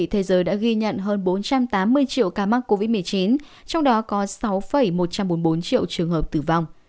thế giới đã ghi nhận hơn bốn trăm tám mươi triệu ca mắc covid một mươi chín trong đó có sáu một trăm bốn mươi bốn triệu trường hợp tử vong